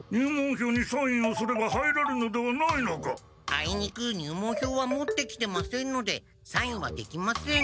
あいにく入門票は持ってきてませんのでサインはできません。